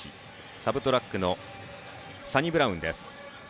サブトラックのサニブラウンです。